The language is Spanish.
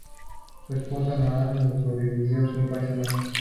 Su esposa Norah lo sobrevivió cinco años más.